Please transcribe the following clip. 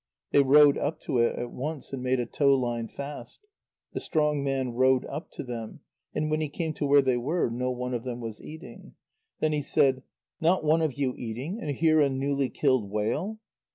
They rowed up to it at once and made a tow line fast. The strong man rowed up to them, and when he came to where they were, no one of them was eating. Then he said: "Not one of you eating, and here a newly killed whale?"